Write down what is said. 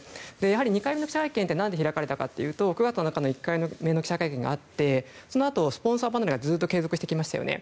２回目の記者会見は何で開かれたかというと９月の１回目の記者会見があってそのあとスポンサー離れがずっと継続してきましたよね。